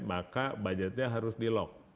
maka budgetnya harus di lock